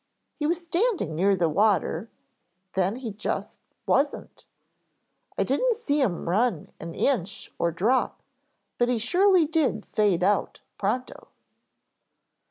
He was standing near the water, then he just wasn't. I didn't see him run an inch or drop, but he surely did fade out pronto."